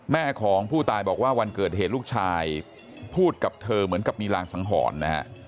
แม่ของผู้ตายบอกว่าวันเกิดเหตุลูกชายพูดกับเธอเหมือนกับมีรางสังหรณ์นะฮะ